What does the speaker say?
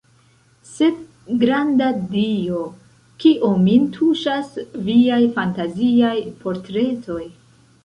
Sed, granda Dio, kio min tuŝas viaj fantaziaj portretoj?